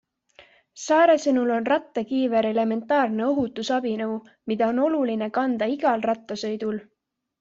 Saare sõnul on rattakiiver elementaarne ohutusabinõu, mida on oluline kanda igal rattasõidul.